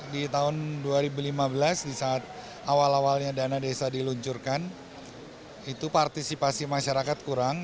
di tahun dua ribu lima belas di saat awal awalnya dana desa diluncurkan itu partisipasi masyarakat kurang